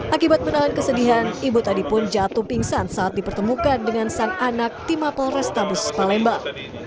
akibat menahan kesedihan ibu tadi pun jatuh pingsan saat dipertemukan dengan sang anak di mapol restabus palembang